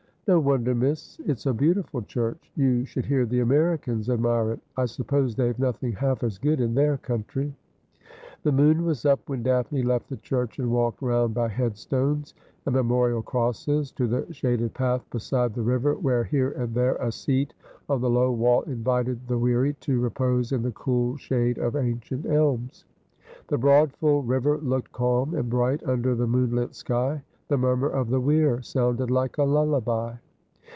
' No wonder, miss. It's a beautiful church. You should hear the Americans admire it. I suppose they've nothing half as good in their country.' The moon was up when Daphne left the church, and walked round by head stones and memorial crosses to the shaded path beside the river, where here and there a seat on the low wall invited the weary to repose in the cool shade of ancient elms. The broad full river looked calm and bright under the moonlit sky ; the murmur of the weir sounded like a lullaby.